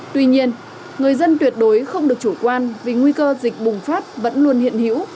tuy nhiên người dân tuyệt đối không được chủ quan vì nguy cơ dịch bùng phát vẫn luôn hiện hữu